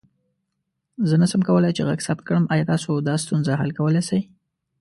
زه نسم کولى چې غږ ثبت کړم، آيا تاسو دا ستونزه حل کولى سې؟